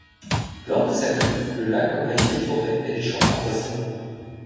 Lors de sa crue, le lac envahit les forêts et les champs avoisinants.